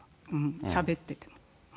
しゃべってて。